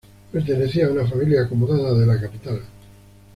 Pertenecía a una familia acomodada de la capital.